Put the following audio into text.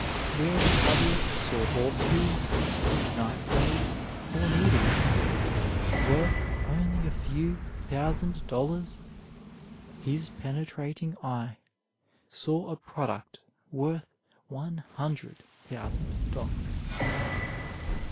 Where the others saw horseshoes, knife blades, or needles, worth only a few thousand dollars, his penetrating eye saw a product worth one hundred thousand dollars.